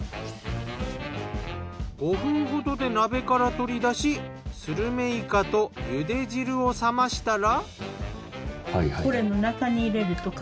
５分ほどで鍋から取り出しスルメイカと茹で汁を冷ましたら。